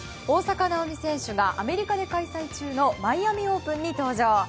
大坂なおみ選手がアメリカで開催中のマイアミオープンに登場。